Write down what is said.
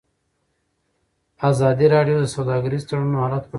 ازادي راډیو د سوداګریز تړونونه حالت په ډاګه کړی.